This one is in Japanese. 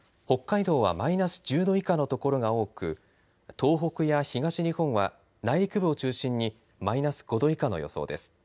北海道はマイナス１０度以下のところが多く東北や東日本は内陸部を中心にマイナス５度以下の予想です。